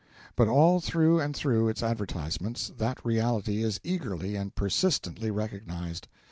But all through and through its advertisements that reality is eagerly and persistently recognised.